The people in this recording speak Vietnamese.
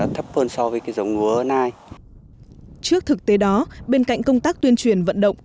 trước thực tế đó bên cạnh công tác tuyên truyền vận động